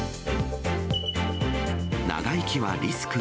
長生きはリスク？